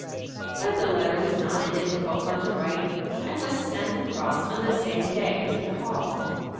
But the letter was not a difficult one to write, and was sent across on the same day to the Hall.